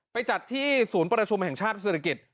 ไปจัดที่ศูนย์ประชุมแห่งชาติศิริกิจ